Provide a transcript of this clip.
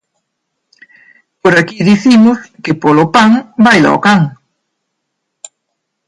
Por aquí dicimos que polo pan baila o can!